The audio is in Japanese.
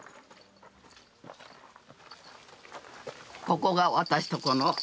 ここが私のとこの墓。